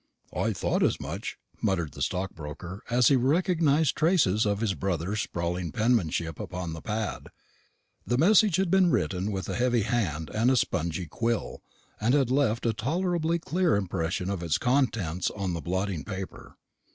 "I thought as much," muttered the stockbroker, as he recognised traces of his brother's sprawling penmanship upon the pad. The message had been written with a heavy hand and a spongy quill pen, and had left a tolerably clear impression of its contents on the blotting paper.